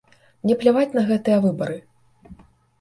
Мне пляваць на гэтыя выбары.